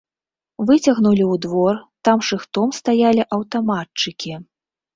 Выцягнулі ў двор, там шыхтом стаялі аўтаматчыкі.